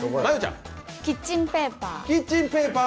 キッチンペーパー？